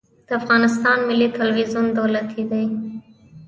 د افغانستان ملي تلویزیون دولتي دی